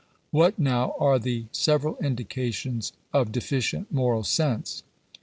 What, now, are the several indica tions of deficient moral sense ?